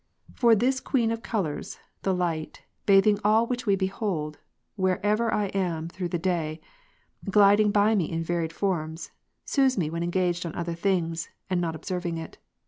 For this queen of colours, the light, bathing all which we behold, wherever I am through the day, gliding by me in varied forms, sooths me when engaged on other things, and not observing it.